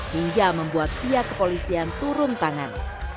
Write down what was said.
hingga membuat pihak kepolisian turun tangan